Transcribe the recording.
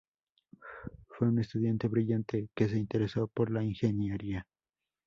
Fue un estudiante brillante que se interesó por la ingeniería.